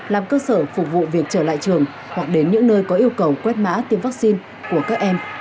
làm cơ sở phục vụ việc trở lại trường hoặc đến những nơi có yêu cầu quét mã tiêm vaccine của các em